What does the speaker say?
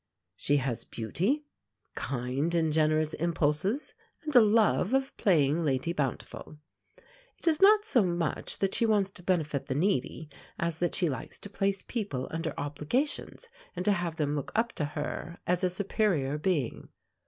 She has beauty, kind and generous impulses, and a love of playing Lady Bountiful. It is not so much that she wants to benefit the needy, as that she likes to place people under obligations and to have them look up to her as a superior being.